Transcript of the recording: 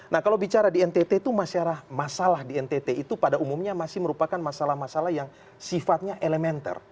nah kalau bicara di ntt itu masalah di ntt itu pada umumnya masih merupakan masalah masalah yang sifatnya elementer